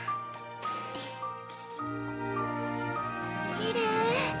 きれい。